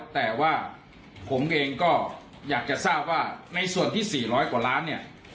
แต่ว่าผมเองก็อยากจะทราบว่าในส่วนที่๔๐๐กว่าล้านเนี่ย